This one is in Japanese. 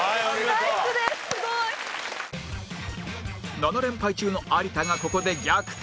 ７連敗中の有田がここで逆転